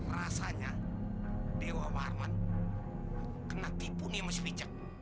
rasanya dewa warman kena tipu nih sama spijak